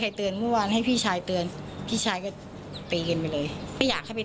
เจือนไม่ได้ให้เจือนเราก็โดนด้วยครับ